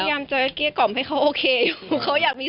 พยายามจะเกลี้ยกล่อมให้เขาโอเคอยู่เขาอยากมี